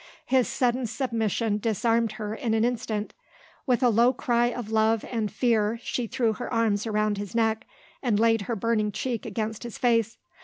His sudden submission disarmed her in an instant. With a low cry of love and fear she threw her arms round his neck, and laid her burning cheek against his face.